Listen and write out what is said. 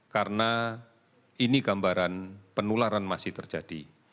karena ini gambaran penularan masih terjadi